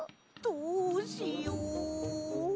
どうしよう。